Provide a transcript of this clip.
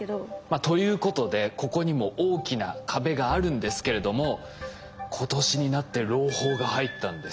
ということでここにも大きな壁があるんですけれども今年になって朗報が入ったんです。